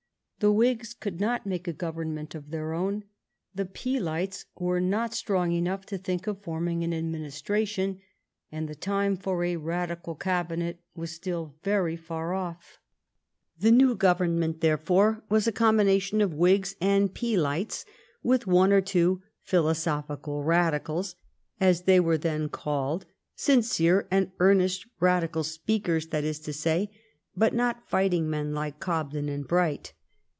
The Whigs could not make a government of their own. The Peelites were not strong enough to think of form ing an administration ; and the time for a Radical Cabinet was still very far off. The new Govern ment, therefore, was a combination of Whigs and A COALITION GOVERNMENT 175 Peelites, with one or two "philosophical Radicals," as they were then called, sincere and earnest Radi cal speakers, that is to say, but not fighting men like Cobden and Bright.